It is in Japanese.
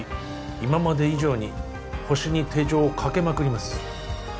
今まで以上にホシに手錠をかけまくります